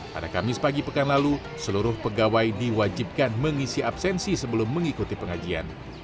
pada kamis pagi pekan lalu seluruh pegawai diwajibkan mengisi absensi sebelum mengikuti pengajian